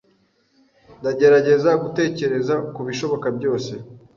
Ndagerageza gutekereza kubishoboka byose.